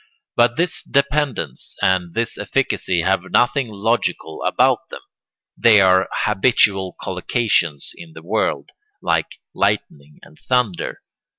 But this dependence and this efficacy have nothing logical about them; they are habitual collocations in the world, like lightning and thunder.